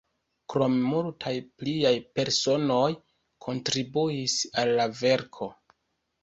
Krome multaj pliaj personoj kontribuis al la verko.